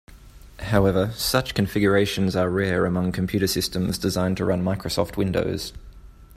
However, such configurations are rare among computer systems designed to run Microsoft Windows.